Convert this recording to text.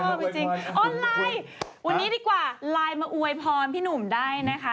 จริงออนไลน์วันนี้ดีกว่าไลน์มาอวยพรพี่หนุ่มได้นะคะ